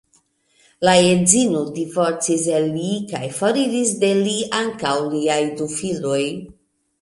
La edzino divorcis el li kaj foriris de li ankaŭ liaj du filoj.